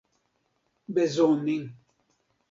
bezoni